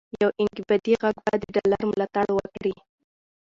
یو انقباضي غږ به د ډالر ملاتړ وکړي،